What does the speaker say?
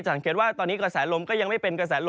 สังเกตว่าตอนนี้กระแสลมก็ยังไม่เป็นกระแสลม